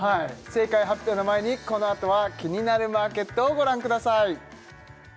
正解発表の前にこのあとは「キニナルマーケット」をご覧ください